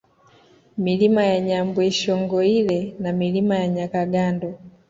Milima ya Nyabweshongoile na Milima ya Nyakagando